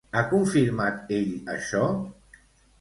Ha confirmat ell això?